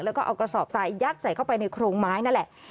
แล้วก็เอากระสอบทรายยัดใส่เข้าไปในโครงไม้นั่นแหละ